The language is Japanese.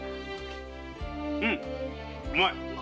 うんうまい！